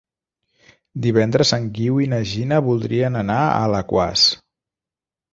Divendres en Guiu i na Gina voldrien anar a Alaquàs.